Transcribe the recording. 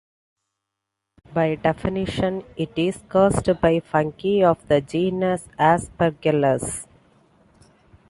By definition, it is caused by fungi of the genus "Aspergillus".